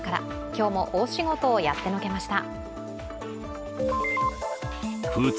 今日も大仕事をやってのけました。